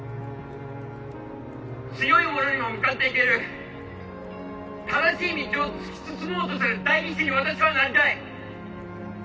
強い者にも向かっていける正しい道を突き進もうとする代議士に私はなりたい！